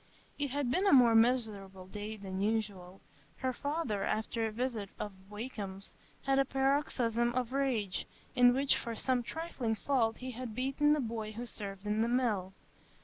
It had been a more miserable day than usual; her father, after a visit of Wakem's had had a paroxysm of rage, in which for some trifling fault he had beaten the boy who served in the mill.